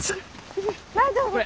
大丈夫？